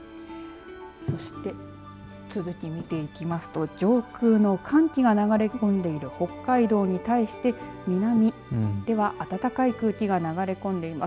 そして、続き見ていきますと上空の寒気が流れ込んでいる北海道に対して南では暖かい空気が流れ込んでいます。